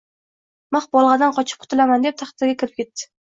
Mix bolg’adan qochib qutulaman deb, taxtaga kirib ketdi.